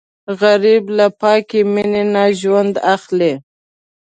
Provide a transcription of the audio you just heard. غریب له پاکې مینې نه ژوند اخلي